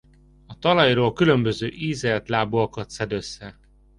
A talajról különböző ízeltlábúakat szed össze.